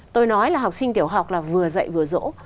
tôi nói là học sinh tiểu học là vừa dạy vừa dỗ